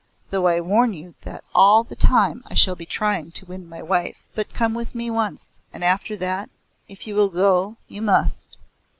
Though I warn you that all the time I shall be trying to win my wife. But come with me once, and after that if you will go, you must.